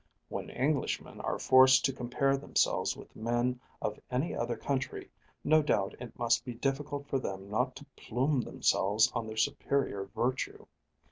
When Englishmen are forced to compare themselves with men of any other country, no doubt it must be difficult for them not to plume themselves on their superior virtue.